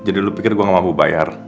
jadi lo pikir gue gak mampu bayar